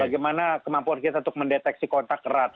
bagaimana kemampuan kita untuk mendeteksi kontak erat